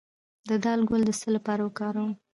د دال ګل د څه لپاره وکاروم؟